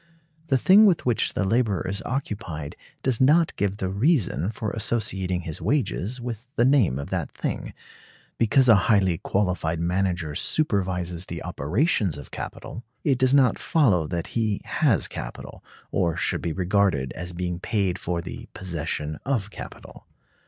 The thing with which the laborer is occupied does not give the reason for associating his wages with the name of that thing; because a highly qualified manager supervises the operations of capital, it does not follow that he has capital, or should be regarded as being paid for the possession of capital.